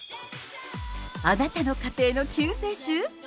あなたの家庭の救世主？